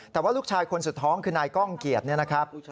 แต่ว่าลูกชายคนสุดท้องคือนายก้องเกียจเนี่ยนะครับ